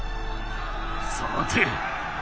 さて。